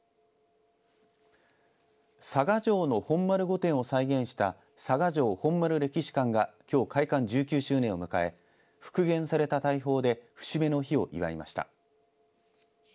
佐賀城の本丸御殿を再現した佐賀城本丸歴史館がきょう開館１９周年を迎え復元された大砲で節目の日を祝いました。